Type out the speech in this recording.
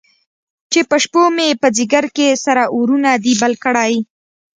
چې په شپومې، په ځیګر کې سره اورونه دي بل کړی